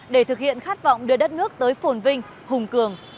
để thực hiện khát vọng đưa đất nước tới phồn vinh hùng cường